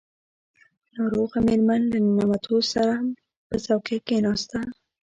ناروغه مېرمن له ننوتو سم په څوکۍ کښېناسته.